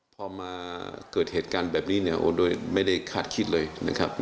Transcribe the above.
พอมาเกิดเหตุการณ์แบบนี้เนี่ยโอ้โดยไม่ได้คาดคิดเลยนะครับ